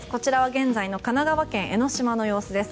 現在の神奈川県江の島の様子です。